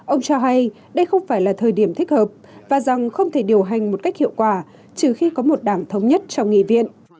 ông cho hay đây không phải là thời điểm thích hợp và rằng không thể điều hành một cách hiệu quả trừ khi có một đảng thống nhất trong nghị viện